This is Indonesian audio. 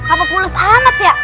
apa pulus amat ya